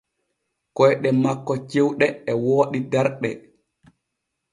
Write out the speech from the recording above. Koyɗe makko cewɗe e wooɗi darɗe.